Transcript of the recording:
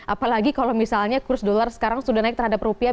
apalagi kalau misalnya kurs dolar sekarang sudah naik terhadap rupiah